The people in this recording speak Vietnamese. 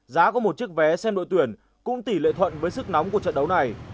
giá của một chiếc vé xem đội tuyển cũng tỉ lệ thuận với sức nóng của trận đấu này